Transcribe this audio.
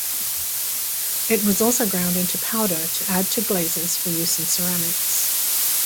It was also ground into powder to add to glazes for use in ceramics.